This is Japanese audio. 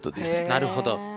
なるほど。